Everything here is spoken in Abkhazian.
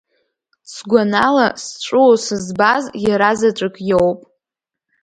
Сгәа-нала сҵәуо сызбаз иара заҵәык иоуп.